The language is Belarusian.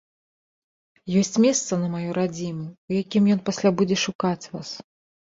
Ёсць месца на маёй радзіме, у якім ён пасля будзе шукаць вас.